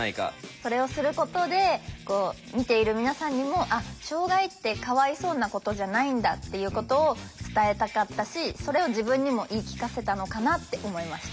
それをすることでこう見ている皆さんにもあっ障害ってかわいそうなことじゃないんだっていうことを伝えたかったしそれを自分にも言い聞かせたのかなって思いました。